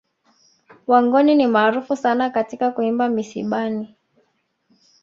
Wangoni ni maarufu sana katika kuimba misibani